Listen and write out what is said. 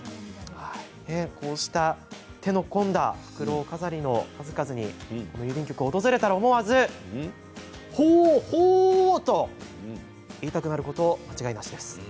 こうした手の込んだふくろう飾りの数々に郵便局を訪れたら思わずホーホー！と言いたくなること間違いなしです。